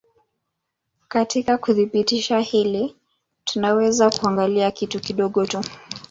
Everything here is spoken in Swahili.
Katika kuthibitisha hili tunaweza kuangalia kitu kidogo tu